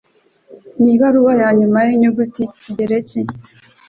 Nibaruwa Yanyuma Yinyuguti yikigereki